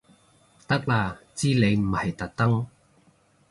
得啦知你唔係特登